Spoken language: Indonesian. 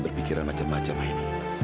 berpikiran macam macam ini